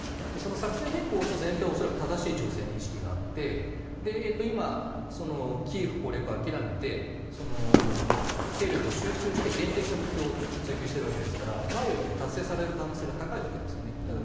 作戦変更の前提は恐らく正しい情勢認識があって今、キーウ攻略を諦めて兵力を集中して限定した目標を追及しているわけですから前よりも達成される可能性が高いわけですね。